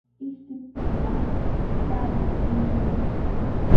Ishkiptiykiqa shaarichishunkimi.